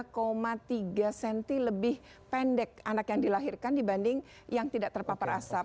tiga cm lebih pendek anak yang dilahirkan dibanding yang tidak terpapar asap